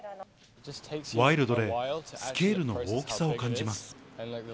ワイルドで、スケールの大きさを感じます。